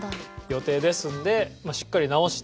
予定ですのでしっかり直して。